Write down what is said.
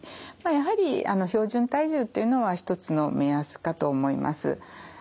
やはり標準体重というのは一つの目安かと思います。